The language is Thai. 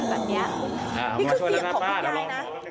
นี่คือเสียงของคุณยายนะ